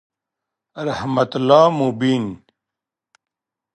رحمت الله مبین